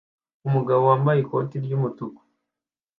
Umugabo wambaye ikoti ry'umutuku